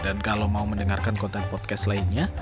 dan kalau mau mendengarkan konten podcast lainnya